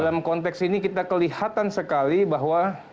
dalam konteks ini kita kelihatan sekali bahwa